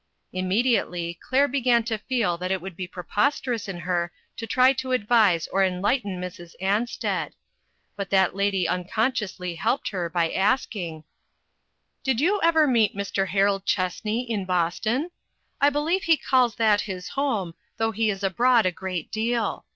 Immediately Claire began to feel that it would be preposterous in her to try to ad vise or enlighten Mrs. Ansted. But that lady unconsciously helped her by asking: "Did you ever meet Mr. Harold Chessney UNPALATABLE TRUTHS. 351 in Boston ? I believe he calls that his home, though he is abroad a great deal.